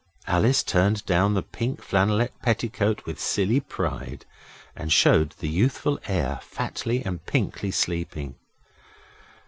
Alice turned down the pink flannelette petticoat with silly pride, and showed the youthful heir fatly and pinkly sleeping.